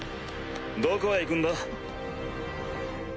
どこへ行くんだ？